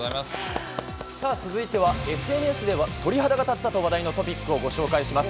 続いては、ＳＮＳで鳥肌が立ったと話題のトピックをご紹介します。